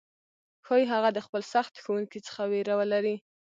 ښايي هغه د خپل سخت ښوونکي څخه ویره ولري،